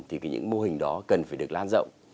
thì những mô hình đó cần phải được lan rộng